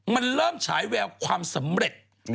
มันเริ่มฉายแววความสำเร็จ